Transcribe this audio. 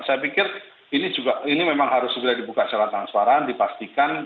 saya pikir ini juga ini memang harus segera dibuka secara transparan dipastikan